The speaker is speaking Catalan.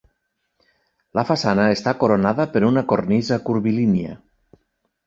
La façana està coronada per una cornisa curvilínia.